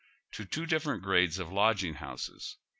83 to two different grades of lodging houses.